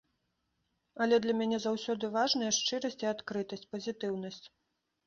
Але для мяне заўсёды важныя шчырасць і адкрытасць, пазітыўнасць.